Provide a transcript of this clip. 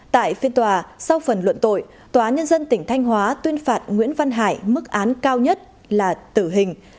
tại phiên tòa sau phần luận tội tòa án nhân dân tỉnh thanh hóa tuyên phạt nguyễn văn hải mức án cao nhất là tử hình